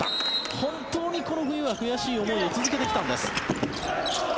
本当にこの冬は悔しい思いを続けてきたんです。